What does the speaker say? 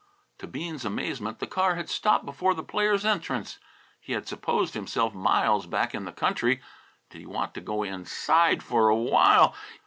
To Bean's amazement the car had stopped before the players' entrance. He had supposed himself miles back in the country. Did he want to go inside for a while!